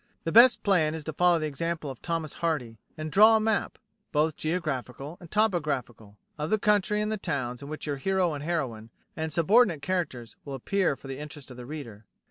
The best plan is to follow the example of Thomas Hardy, and draw a map both geographical and topographical of the country and the towns in which your hero and heroine, and subordinate characters, will appear for the interest of the reader.